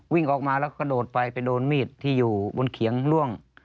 วิ่งออกมาแล้วกระโดดไปไปโดนมีดที่อยู่บนเขียงล่วง